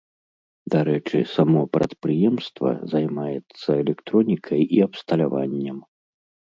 Дарэчы, само прадпрыемства займаецца электронікай і абсталяваннем.